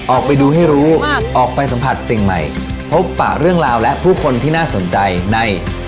ออกไปดูให้รู้ออกไปสัมผัสสิ่งใหม่พบปะเรื่องราวและผู้คนที่น่าสนใจใน